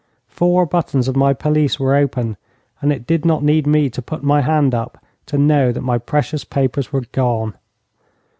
Four buttons of my pelisse were open, and it did not need me to put my hand up to know that my precious papers were gone.